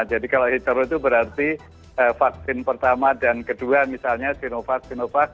jadi kalau hetero itu berarti vaksin pertama dan kedua misalnya sinovac sinovac